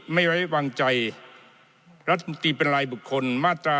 ไม่ไว้วางใจรัฐมนตรีเป็นรายบุคคลมาตรา